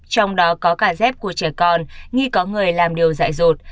trong đó có cả dép của trẻ con nghi có người làm điều dại dột